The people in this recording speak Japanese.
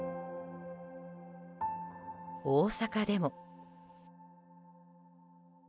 大阪でも。